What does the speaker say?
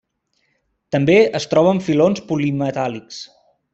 També es troba en filons polimetàl·lics.